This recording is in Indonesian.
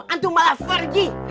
antum malah pergi